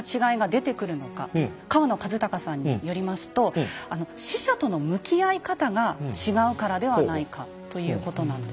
河野一隆さんによりますと死者との向き合い方が違うからではないかということなんですね。